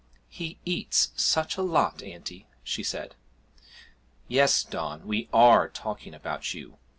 'He eats such a lot, auntie!' she said. 'Yes, Don, we are talking about you.